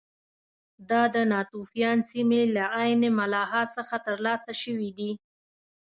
دا د ناتوفیان سیمې له عین ملاحا څخه ترلاسه شوي دي